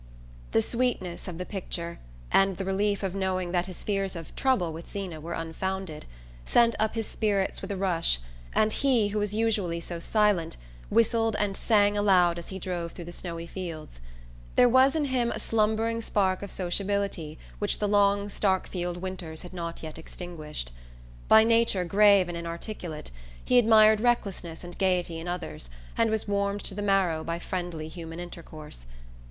The sweetness of the picture, and the relief of knowing that his fears of "trouble" with Zeena were unfounded, sent up his spirits with a rush, and he, who was usually so silent, whistled and sang aloud as he drove through the snowy fields. There was in him a slumbering spark of sociability which the long Starkfield winters had not yet extinguished. By nature grave and inarticulate, he admired recklessness and gaiety in others and was warmed to the marrow by friendly human intercourse.